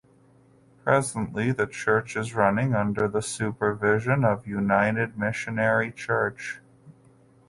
Presently the church is running under the supervision of United Missionary Church.